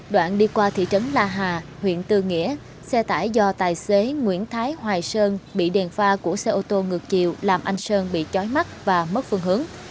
đoạn đi qua thị trấn la hà huyện tư nghĩa xe tải do tài xế nguyễn thái hoài sơn bị đèn pha của xe ô tô ngược chiều làm anh sơn bị chói mắt và mất phương hướng